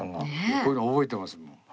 こういうの覚えてますもん。